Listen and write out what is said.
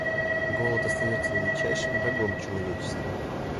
Голод остается величайшим врагом человечества.